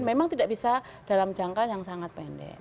memang tidak bisa dalam jangka yang sangat pendek